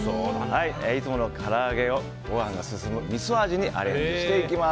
いつものから揚げをご飯が進むみそ味にアレンジしていきます。